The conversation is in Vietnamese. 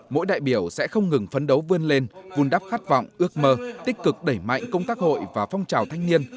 mỗi đại biểu sẽ không ngừng phấn đấu vươn lên vun đắp khát vọng ước mơ tích cực đẩy mạnh công tác hội và phong trào thanh niên